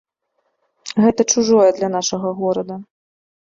Гэта чужое для нашага горада.